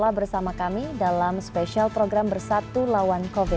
tetaplah bersama kami dalam spesial program bersatu lawan covid sembilan belas